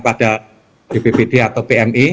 pada bppd atau pmi